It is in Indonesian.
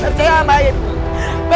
percaya sama ibu